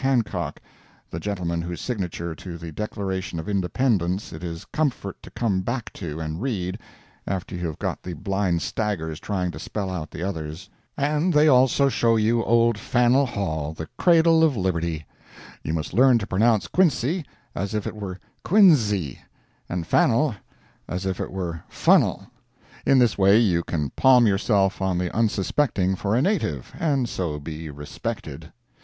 Hancock, the gentleman whose signature to the Declaration of Independence it is comfort to come back to and read, after you have got the blind staggers trying to spell out the others. And they also show you old Faneuil Hall, the Cradle of Liberty. You must learn to pronounce Quincy as if it were Quinzy, and Fanueil as if it were Funnel. In this way you can palm yourself on the unsuspecting for a native, and so be respected.